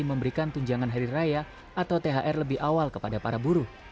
memberikan tunjangan hari raya atau thr lebih awal kepada para buruh